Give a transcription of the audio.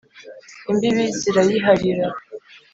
imbibi zirayiharira